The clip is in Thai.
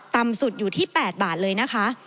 ต่ำสุดอยู่ที่๘บาทเลยนะคะ